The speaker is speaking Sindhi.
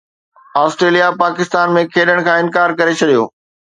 آسٽريليا پاڪستان ۾ کيڏڻ کان انڪار ڪري ڇڏيو